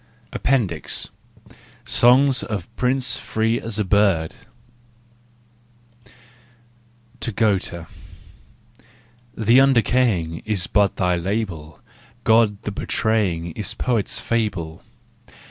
APPENDIX SONGS OF PRINCE FREE AS A BIRD 355 TO GOETHE *" The Undecaying " Is but thy label, God the betraying Is poets' fable.